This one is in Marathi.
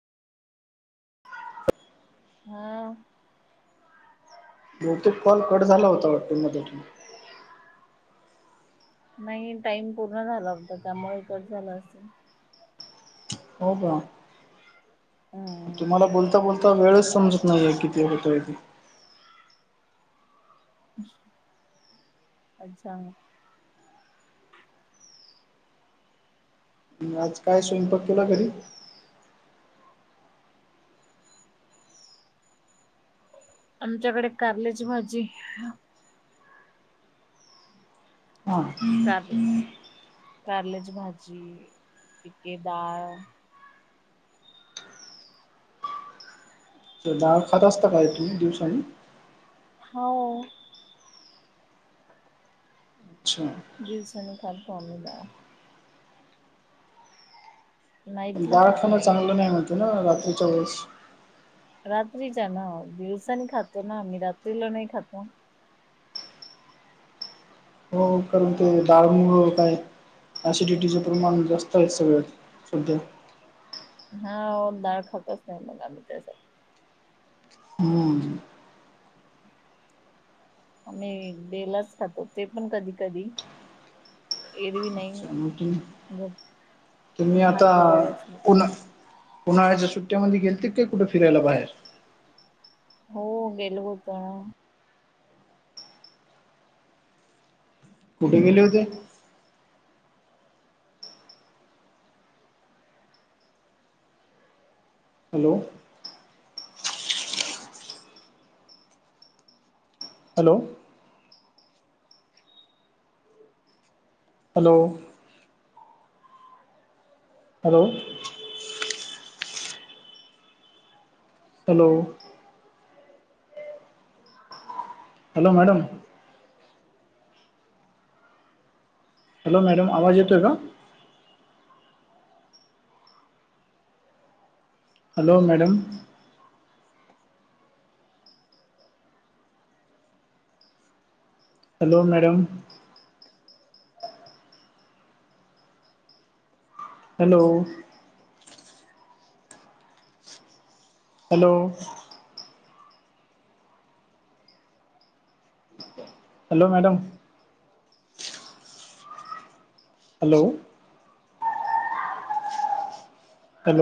हम बहूतेक कॉल कट झाला होता वाटतं मधून. नाही टाइम पूर्ण झाला होता त्यामुळे कट झालं असेल. हो का हम्म. तुम्हाला बोलता बोलता वेळच समजत नाहीये कि- ते होतयती [unintelligible] [unintelligible] अच्छा. मग आज काय स्वयंपाक केला घरी? आमच्याकडे कारल्याची भाजी. हां [unintelligible] कार कारल्याची भाजी पिके डाळ. तर डाळ खात असता काय तू दिवसानी? हो. अच्छा [unintelligible] दिवसांनी खातो आम्ही डाळ. नाईटला डाळ खात खाणं चांगलं नाही म्हणतात ना रात्रीच्या वेळेस. रात्रीच्या ना दिवसानी खातो ना आम्ही रात्रीला नाही खातो हो कारण ते दाळ मुळ काय. ऐसिडिटीच प्रमाण जास्त आहे सगळ्यात सध्या. हा ओ डाळ खातच नाही मग आम्ही त्यासाठी. हम. आम्ही बलाच खातो ते पण कधी कधी एरवी नाही. अच्छा तुम्ही आता भात वगैरे असले उना- उन्हाळ्याच्या सुट्ट्यांमध्ये गेलते काय कुठे फिरायला बाहेर? हो गेलो होतो ना. कुठे गेले होते. Hello! Hello. Hello. Hello. Hello. Hello madam. Hello madam आवाज येतोय का? Hello madam. Hello madam. Hello. Hello. Hello madam hello!